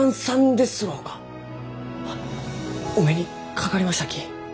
あお目にかかりましたき。